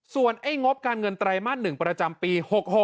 ส่วนไอ้งบการเงินไตรมาส๑ประจำปี๖๖